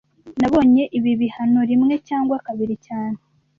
Nabonye ibi bibaho rimwe cyangwa kabiri cyane